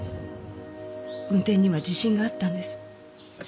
運転には自信があったんです。